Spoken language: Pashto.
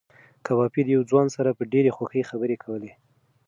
کبابي د یو ځوان سره په ډېرې خوښۍ خبرې کولې.